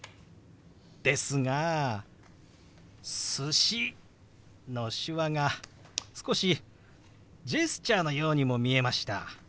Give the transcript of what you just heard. ですが「寿司」の手話が少しジェスチャーのようにも見えました。